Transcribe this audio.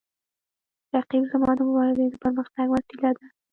رقیب زما د مبارزې د پرمختګ وسیله ده